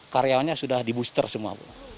karyawannya sudah di booster semua